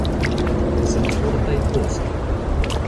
Senfortaj ostoj!